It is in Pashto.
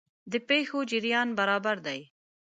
د پېښو جریان برابر دی.